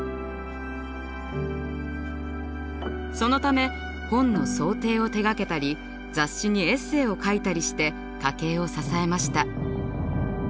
そのため本の装丁を手がけたり雑誌にエッセーを書いたりして家計を支えました。